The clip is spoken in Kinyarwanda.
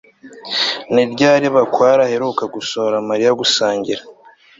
ni ryari bakware aheruka gusohora mariya gusangira